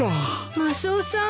マスオさん